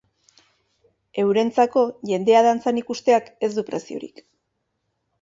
Eurentzako, jendea dantzan ikusteak ez du preziorik.